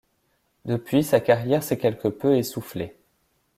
Depuis sa carrière s'est quelque peu essoufflée.